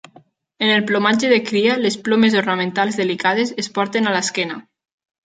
En el plomatge de cria, les plomes ornamentals delicades es porten a l'esquena.